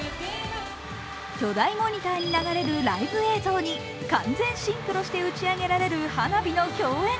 巨大モニターに流れるライブ映像に完全シンクロして打ち上げられる花火の競演。